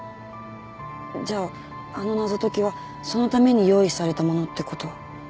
じゃああの謎解きはそのために用意されたものってこと？